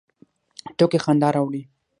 ټوکې خندا راوړي